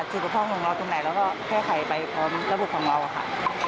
ถ้าคุณพ่อคงรอตรงไหนเราก็แค่ใครไปพร้อมระบุพังรอค่ะ